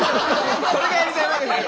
それがやりたいわけじゃない。